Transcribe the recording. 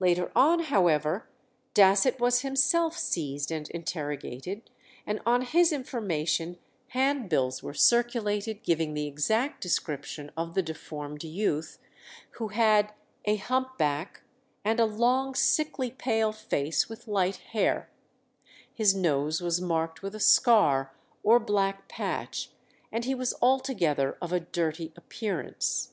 Later on, however, Dasset was himself seized and interrogated, and on his information handbills were circulated, giving the exact description of the deformed youth, who had "a hump back, and a long, sickly, pale face, with light hair;" his nose was marked with a scar or black patch, and he was altogether of a dirty appearance.